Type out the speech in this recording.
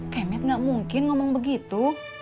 kemet gak mungkin ngomong begitu